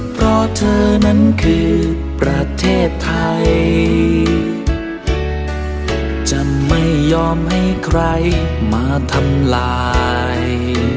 เพราะเธอนั้นคือประเทศไทยจะไม่ยอมให้ใครมาทำลาย